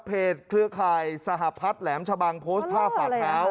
เครือข่ายสหพัฒน์แหลมชะบังโพสต์ภาพฝาดเท้า